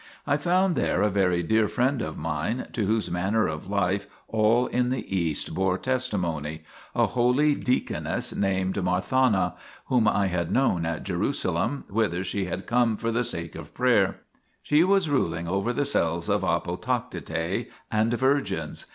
I found there a very dear friend of mine, to whose manner of life all in the East bore testimony, a holy deaconess named Marthana, whom I had known at Jerusalem, whither she had come for the sake of prayer ; she was ruling over the cells of afotactitae* and virgins.